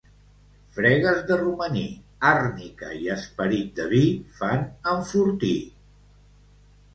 Fregues de romaní, àrnica i esperit de vi fan enfortir.